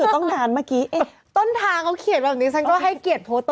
ต้นทางเขาเล่อนมูกเหตุเกิดความเหงาก